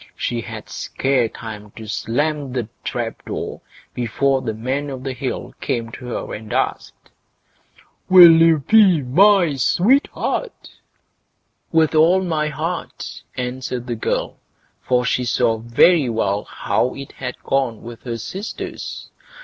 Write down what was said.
She had scarce time to slam to the trap door before the Man o' the Hill came to her and asked: "Will you be my sweetheart?" "With all my heart", answered the girl, for she saw very well how it had gone with her sisters.